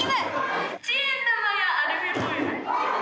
１円玉やアルミホイル。